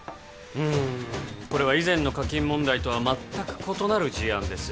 うんこれは以前の課金問題とは全く異なる事案です